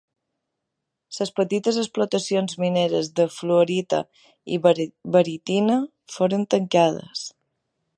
Les petites explotacions mineres de fluorita i baritina foren tancades.